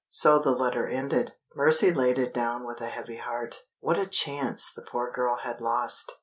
So the letter ended. Mercy laid it down with a heavy heart. What a chance the poor girl had lost!